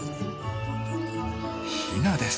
ヒナです。